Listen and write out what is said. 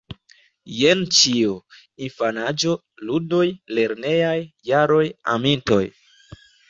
Jen ĉio: infanaĝo, ludoj, lernejaj jaroj, amintoj.